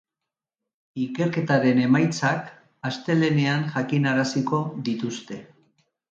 Ikerketaren emaitzak astelehenean jakinaraziko dituzte.